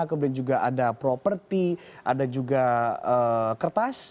kemudian juga ada properti ada juga kertas